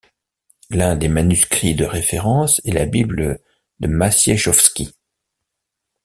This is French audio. L’un des manuscrits de référence est la Bible de Maciejowski.